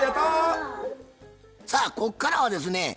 さあこっからはですね